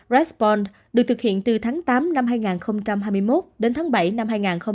respron được thực hiện từ tháng tám năm hai nghìn hai mươi một đến tháng bảy năm hai nghìn hai mươi hai